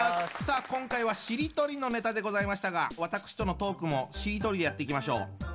さあ今回はしりとりのネタでございましたが私とのトークもしりとりでやっていきましょう。